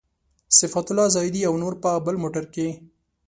صفت الله زاهدي او نور په بل موټر کې.